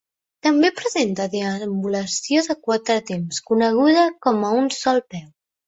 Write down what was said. També presenta deambulació de quatre temps, coneguda com a "un sol peu".